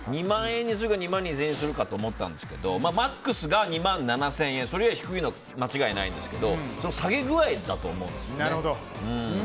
２万円にするか２万２０００円にするかと迷ったんですけどＭＡＸが２万７０００円それより低いのは間違いないんですけど下げ具合だと思うんですよね。